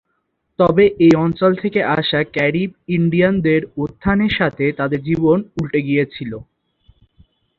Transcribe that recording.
তবে একই অঞ্চল থেকে আসা ক্যারিব ইন্ডিয়ানদের উত্থানের সাথে তাদের জীবন উল্টে গিয়েছিল।